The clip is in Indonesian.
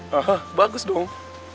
hah bagus dong